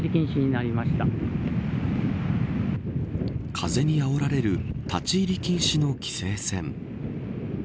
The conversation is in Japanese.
風にあおられる立ち入り禁止の規制線。